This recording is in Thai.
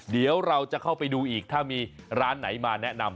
เดี๋ยวเราจะเข้าไปดูอีกถ้ามีร้านไหนมาแนะนำ